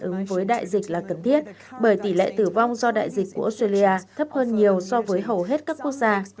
ứng với đại dịch là cần thiết bởi tỷ lệ tử vong do đại dịch của australia thấp hơn nhiều so với hầu hết các quốc gia